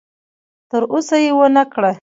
تر اوسه یې ونه کړه.